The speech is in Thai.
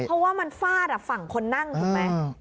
เพราะว่ามันฟาดฝั่งคนนั่งถูกไหม